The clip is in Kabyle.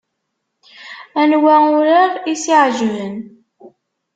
Anwa urar i s-iɛeǧben?